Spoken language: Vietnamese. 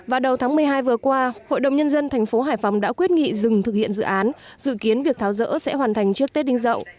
vào đầu tháng một mươi hai vừa qua hội đồng nhân dân thành phố hải phòng đã quyết nghị dừng thực hiện dự án dự kiến việc tháo rỡ sẽ hoàn thành trước tết đinh dậu